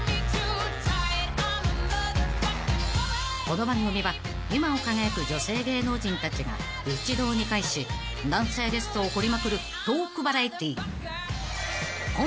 ［この番組は今を輝く女性芸能人たちが一堂に会し男性ゲストを掘りまくるトークバラエティー］